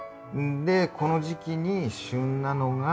でこの時期に旬なのが。